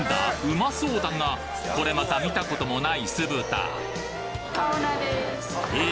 うまそうだがこれまた見たこともない酢豚え？